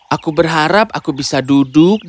aku berharap aku bisa duduk dan bermain